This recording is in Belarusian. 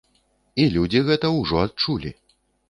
І людзі гэта ўжо адчулі.